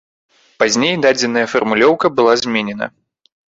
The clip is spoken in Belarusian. Пазней дадзеная фармулёўка была зменена.